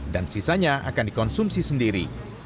dan sisanya akan dikonsumsi sendiri